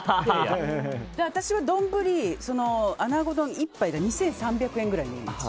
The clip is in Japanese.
私は丼、穴子丼１杯が２３００円くらいのイメージ。